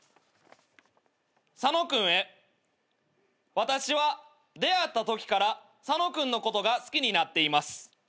「佐野君へ私は出会ったときから佐野君のことが好きになっています」